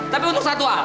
tapi untuk satu hal